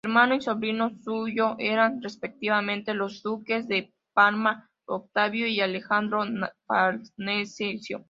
Hermano y sobrino suyo eran, respectivamente, los duques de Parma Octavio y Alejandro Farnesio.